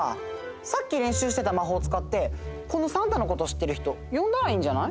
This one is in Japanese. さっきれんしゅうしてた魔法をつかってこのサンタのことを知ってる人よんだらいいんじゃない？